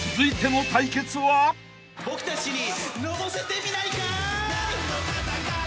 僕たちにのぼせてみないかい？